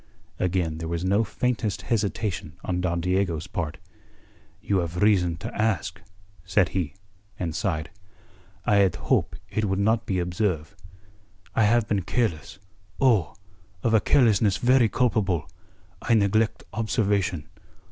Again there was no faintest hesitation on Don Diego's part. "You have reason to ask," said he, and sighed. "I had hope' it would not be observe'. I have been careless oh, of a carelessness very culpable. I neglect observation.